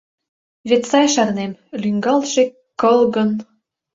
Вет сай шарнем: лӱҥгалтше кылгын